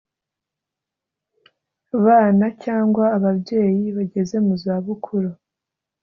bana cyangwa ababyeyi bageze mu za bukuru